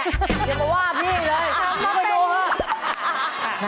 อย่ามาว่าพี่เลยไม่ค่อยโดนว่า